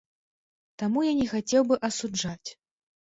Таму я не хацеў бы асуджаць.